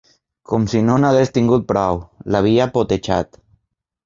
Com si no n'hagués tingut prou, l'havia potejat.